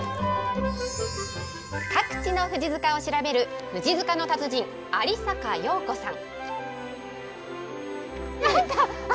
各地の富士塚を調べる富士塚の達人、有坂蓉子さん。